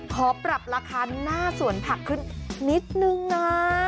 ขอปรับราคาหน้าสวนผักขึ้นนิดนึงนะ